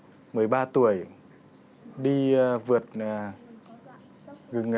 hình ảnh một cậu bé một mươi ba tuổi đi vượt hơn một trăm linh km bằng cái xe đạp không phá